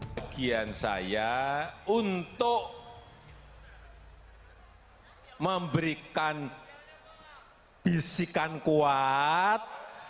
bagian saya untuk memberikan bisikan kuat